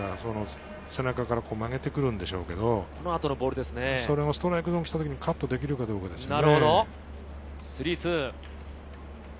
背中から曲げてくるんでしょうけど、それもストライクゾーンに来た時にカットできるかどうかですね。